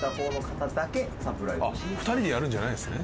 ２人でやるんじゃないんですね。